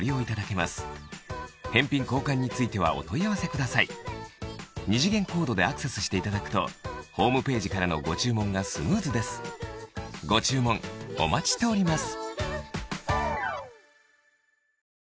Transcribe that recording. カラーははいて動くことでスリムなボディが目指せる二次元コードでアクセスしていただくとホームページからのご注文がスムーズですご注文お待ちしております